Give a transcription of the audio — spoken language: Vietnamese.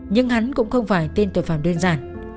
nhưng hắn cũng không phải tên tội phạm đơn giản